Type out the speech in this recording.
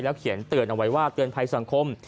เขียนเตือนเอาไว้ว่าเตือนภัยสังคม